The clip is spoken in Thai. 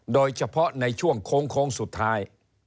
โดยเฉพาะในช่วงโค้งสุดท้าย